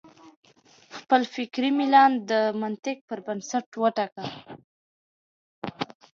خپل فکري میلان د منطق پر بنسټ وټاکئ.